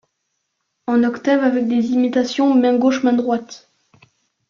En octaves avec des imitations main-gauche main-droite.